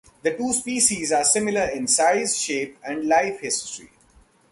The two species are similar in size, shape and life history.